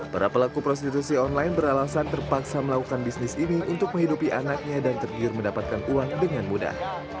para pelaku prostitusi online beralasan terpaksa melakukan bisnis ini untuk menghidupi anaknya dan tergiur mendapatkan uang dengan mudah